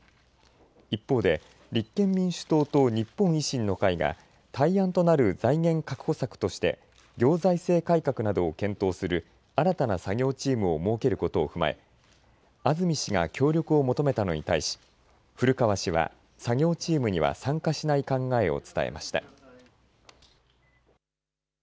一方で立憲民主党と日本維新の会が対案となる財源確保策として行財政改革などを検討する新たな作業チームを設けることを踏まえ安住氏が協力を求めたのに対し古川氏は作業チームには参加しない考えを伝えました。